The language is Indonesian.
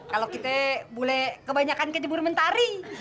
kalau kita bule kebanyakan kejimur mentari